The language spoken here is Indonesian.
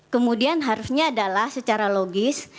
kemudian harusnya adalah secara logis